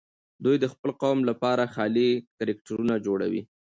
دوی د خپل قوم لپاره خيالي کرکټرونه جوړوي.